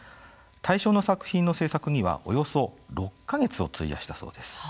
大賞の作品の制作にはおよそ６か月を費やしたそうです。